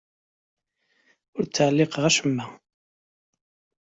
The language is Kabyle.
Ur ttɛelliqeɣ acemma.